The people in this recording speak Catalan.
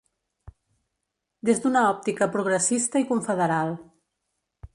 Des d’una òptica progressista i confederal.